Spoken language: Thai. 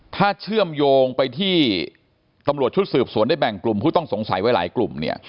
ถ้าเชื่อมโยงไปที่ตำรวจชุดสืบสวนได้แบ่งกลุ่มผู้ต้องสงสัยไว้หลายกลุ่มเนี่ย